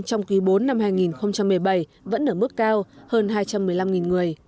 trong quý bốn năm hai nghìn một mươi bảy vẫn ở mức cao hơn hai trăm một mươi năm người